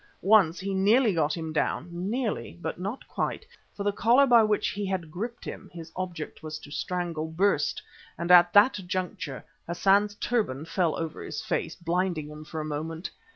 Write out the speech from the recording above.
Once he nearly got him down nearly, but not quite, for the collar by which he had gripped him (his object was to strangle) burst and, at that juncture, Hassan's turban fell over his face, blinding him for a moment.